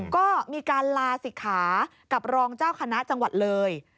ก็มีการลาศิกขากับรองเจ้าคณะจังหวัดเลย